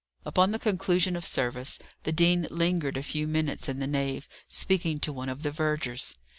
Upon the conclusion of service, the dean lingered a few minutes in the nave, speaking to one of the vergers.